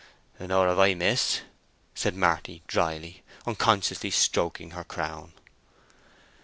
"Nor have I, miss," said Marty, dryly, unconsciously stroking her crown.